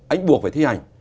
anh buộc phải thi hành